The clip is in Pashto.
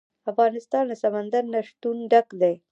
افغانستان له سمندر نه شتون ډک دی.